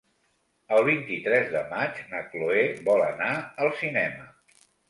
El vint-i-tres de maig na Chloé vol anar al cinema.